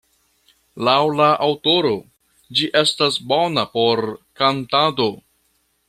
Laŭ la aŭtoro, ĝi estas bona por kantado.